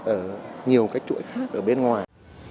ở nhiều cái chuỗi khác ở bên ngoài